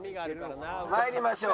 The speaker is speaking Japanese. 参りましょう。